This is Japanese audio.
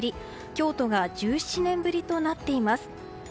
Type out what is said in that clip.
京都が１７年ぶりとなっています。